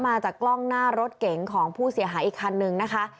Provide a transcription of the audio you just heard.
มาจากกล้องหน้ารถเก๋งของผู้เสียหายอีกคันนึงนะคะ